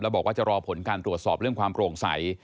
บอกว่าจะรอผลการตรวจสอบเรื่องความโปร่งใส